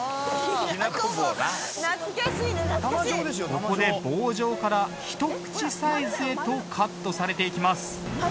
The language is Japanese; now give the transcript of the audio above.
ここで棒状からひと口サイズへとカットされていきます。